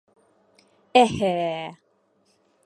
— Әһә!